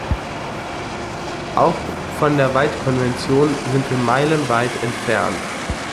Auch von der Waldkonvention sind wir meilenweit entfernt.